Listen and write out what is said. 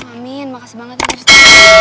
amin makasih banget ya